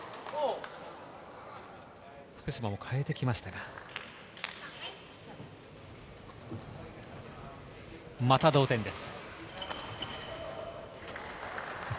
福島も変えてきましたがまた同点です。